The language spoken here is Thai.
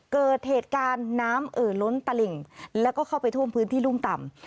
เกิดเหตุการณ์น้ำเอ่อล้นตลิ่งแล้วก็เข้าไปท่วมพื้นที่รุ่มต่ำ